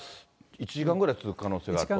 １時間ぐらい続く可能性が。